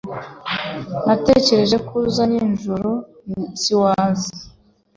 Natekereje ko uza nijoro siwaza.